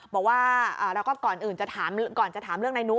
บอกว่าก่อนจะถามเรื่องในนู้